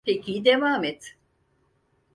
Peki, devam et.